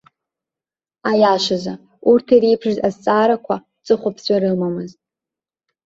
Аиашазы, урҭ иреиԥшыз азҵаарақәа ҵыхәаԥҵәа рымамызт.